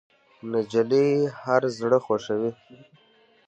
نجلۍ هر زړه خوښوي.